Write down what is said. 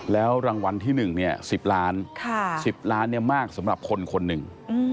แล้วรางวัลที่หนึ่ง๑๐ล้านเมตรมากสำหรับคนคนนึง